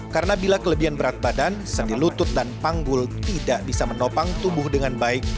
karena bila kelebihan berat badan sendi lutut dan panggul tidak bisa menopang tubuh dengan baik